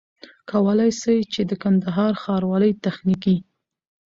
کولای سي چي د کندهار ښاروالۍ تخنيکي